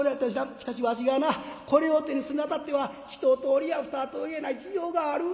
しかしわしがなこれを手にするにあたっては一とおりや二とおりやない事情がある」。